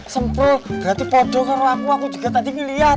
semprong berarti bodoh karena aku juga tadi ngelihat